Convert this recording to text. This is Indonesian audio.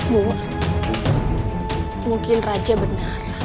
bu mungkin raja benar